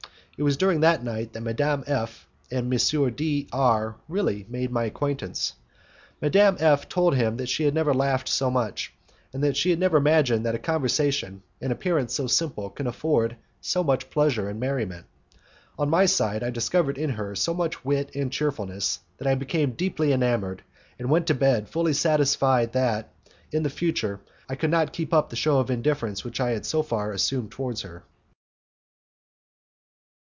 It was during that night that Madame F and M. D R really made my acquaintance. Madame F told him that she had never laughed so much, and that she had never imagined that a conversation, in appearance so simple, could afford so much pleasure and merriment. On my side, I discovered in her so much wit and cheerfulness, that I became deeply enamoured, and went to bed fully satisfied that, in the future, I could not keep up the show of indifference which I had so far assumed towards her.